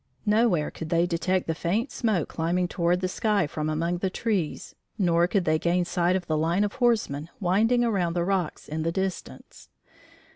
Nowhere could they detect the faint smoke climbing toward the sky from among the trees nor could they gain sight of the line of horsemen winding around the rocks in the distance.